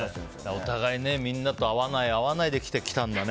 お互い、みんなと合わない合わないできたんだね。